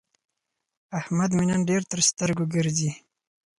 احمد مې نن ډېر تر سترګو ګرځي.